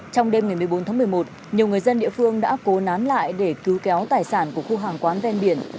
trong đêm ngày một mươi bốn tháng một mươi một nhiều người dân địa phương đã cố nán lại để cứu kéo tài sản của khu hàng quán ven biển